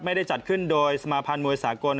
ไม่ได้จัดขึ้นโดยสมาภัณฑ์มวยสากล